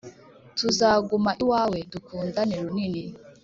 tuzaguma iwawe, dukundane runini,